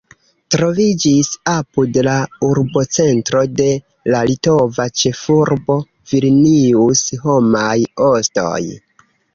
Troviĝis apud la urbocentro de la litova ĉefurbo Vilnius homaj ostoj.